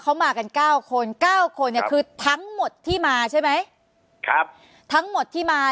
เขามากันเก้าคนเก้าคนเนี่ยคือทั้งหมดที่มาใช่ไหมครับทั้งหมดที่มา